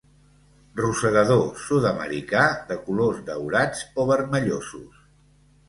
Rosegador sud-americà de colors daurats o vermellosos.